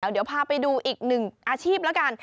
เดี๋ยวพาไปดูอีกหนึ่งอาชีพแล้วกัน